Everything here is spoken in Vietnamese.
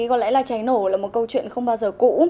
có lẽ là cháy nổ là một câu chuyện không bao giờ cũ